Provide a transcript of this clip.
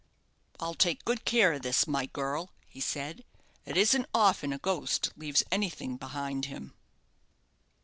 "I'll take good care of this, my girl," he said. "It isn't often a ghost leaves anything behind him."